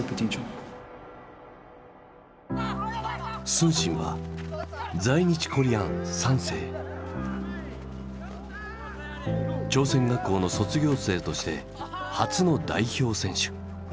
承信は朝鮮学校の卒業生として初の代表選手。